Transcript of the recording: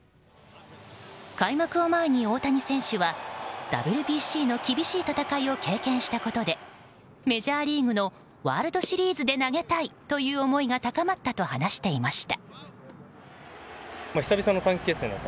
開幕を前に大谷選手は、ＷＢＣの厳しい戦いを経験したことでメジャーリーグのワールドシリーズで投げたいという思いが高まったと話していました。